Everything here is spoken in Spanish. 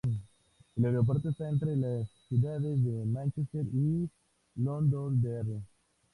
El aeropuerto está entre las ciudades de Manchester y Londonderry.